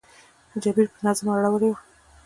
جبیر په نظم اړولې وه.